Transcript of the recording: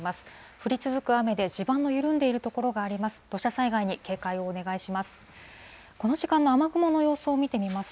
降り続く雨で、地盤の緩んでいる所があります。